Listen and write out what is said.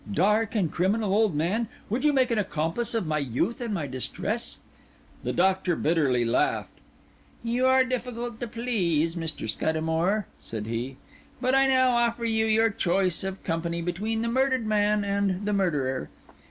Dark and criminal old man, would you make an accomplice of my youth and my distress?" The Doctor bitterly laughed. "You are difficult to please, Mr. Scuddamore," said he; "but I now offer you your choice of company between the murdered man and the murderer.